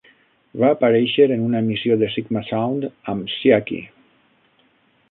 Va aparèixer en una emissió de Sigma Sound amb Sciaky.